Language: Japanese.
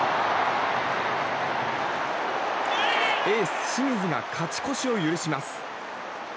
エース、清水が勝ち越しを許します。